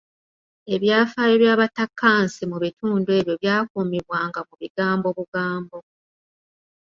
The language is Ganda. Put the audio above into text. Ebyafaayo by’abatakansi mu bitundu ebyo byakuumibwanga mu bigambo bugambo.